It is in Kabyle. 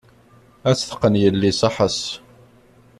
Ad t-teqqen yelli ṣaḥa-s.